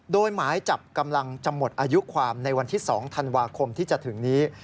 โดยหมายจับกำลังจะหมดอายุความในวันที่๒ธันวาคมที่จะถึงนี้